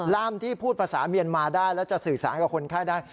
ร่ามที่พูดภาษาเมียนมาได้แล้วจะสื่อสารกับคนไข้ได้